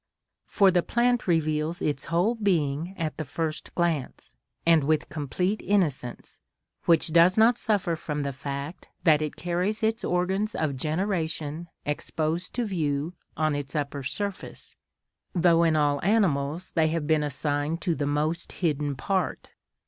For the plant reveals its whole being at the first glance, and with complete innocence, which does not suffer from the fact that it carries its organs of generation exposed to view on its upper surface, though in all animals they have been assigned to the most hidden part.